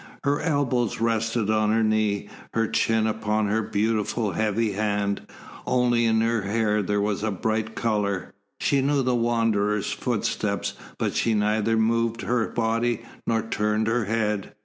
Her elbow rested on her knee, her chin upon her beautiful, heavy hand; only in her hair there was bright colour. She knew the Wanderer's footstep, but she neither moved her body nor turned her head.